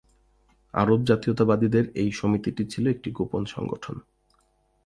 আরব জাতীয়তাবাদীদের এই সমিতিটি ছিল একটি গোপন সংগঠন।